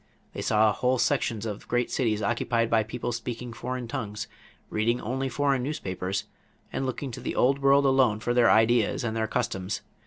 They saw whole sections of great cities occupied by people speaking foreign tongues, reading only foreign newspapers, and looking to the Old World alone for their ideas and their customs.